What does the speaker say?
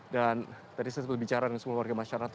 dan tadi saya sudah berbicara dengan semua warga masyarakat